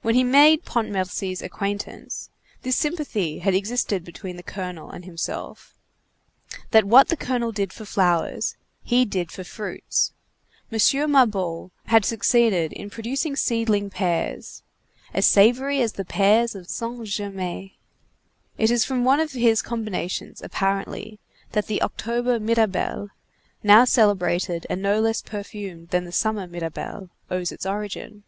When he made Pontmercy's acquaintance, this sympathy had existed between the colonel and himself—that what the colonel did for flowers, he did for fruits. M. Mabeuf had succeeded in producing seedling pears as savory as the pears of St. Germain; it is from one of his combinations, apparently, that the October Mirabelle, now celebrated and no less perfumed than the summer Mirabelle, owes its origin.